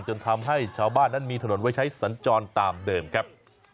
จนทำให้ชาวบ้านนั้นมีถนนไว้ใช้สัญจรตามเดิมครับ